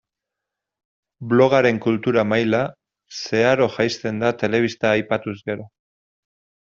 Blogaren kultura maila zeharo jaisten da telebista aipatuz gero.